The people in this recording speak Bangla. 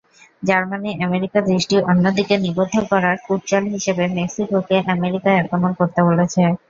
জার্মানি আমেরিকার দৃষ্টি অন্যদিকে নিবদ্ধ করার কূটচাল হিসেবে মেক্সিকোকে আমেরিকায় আক্রমণ করতে বলছে।